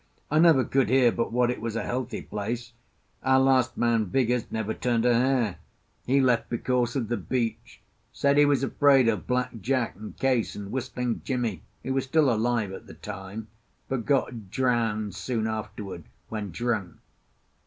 "I never could hear but what it was a healthy place. Our last man, Vigours, never turned a hair. He left because of the beach—said he was afraid of Black Jack and Case and Whistling Jimmie, who was still alive at the time, but got drowned soon afterward when drunk.